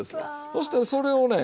そしてそれをね